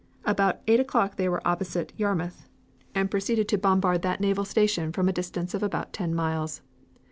About eight o'clock they were opposite Yarmouth, and proceeded to bombard that naval station from a distance of about ten miles.